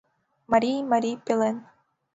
— Марий марий пелен.